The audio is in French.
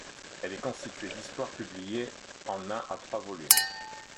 Elle est constituée d'histoires publiées en un à trois volumes.